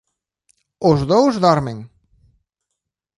Os dous dormen.